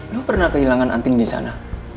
lo pernah kehilangan anting disana